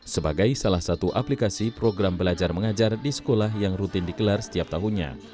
sebagai salah satu aplikasi program belajar mengajar di sekolah yang rutin dikelar setiap tahunnya